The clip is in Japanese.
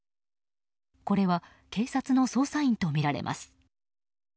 これは警察の捜査員とみられます。